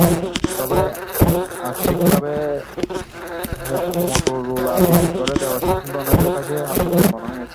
তবে আকস্মিকভাবে মটোরোলা বিক্রি করে দেওয়ার সিদ্ধান্ত অনেকের কাছেই আশ্চর্যের মনে হয়েছে।